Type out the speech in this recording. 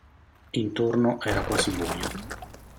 Intorno era quasi buio.